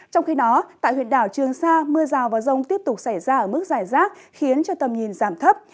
trong khi đó tại huyện đảo trường sa mưa rào và rông tiếp tục xảy ra ở mức giải rác khiến cho tầm nhìn giảm thấp